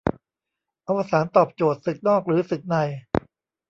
อวสานตอบโจทย์ ศึกนอก หรือศึกใน